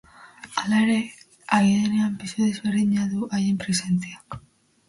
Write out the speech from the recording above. Hala ere, agi danean, pisu desberdina du haien presentziak.